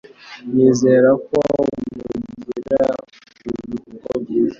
Nizere ko mugira ibiruhuko byiza.